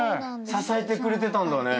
支えてくれてたんだね。